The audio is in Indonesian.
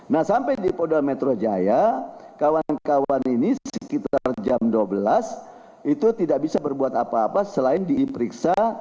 nah sampai di polda metro jaya kawan kawan ini sekitar jam dua belas itu tidak bisa berbuat apa apa selain diperiksa